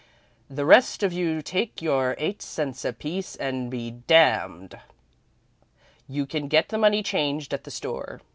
The rest of you take your eight cents apiece and be damned. You can get the money changed at the store.